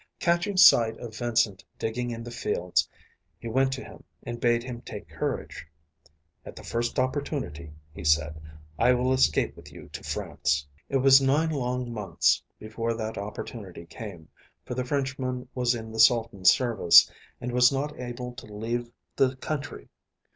Catching sight of Vincent digging in the fields, he went to him and bade him take courage. "At the first opportunity," he said, "I will escape with you to France." It was nine long months before that opportunity came, for the Frenchman was in the Sultan's service and was not able to leave the country.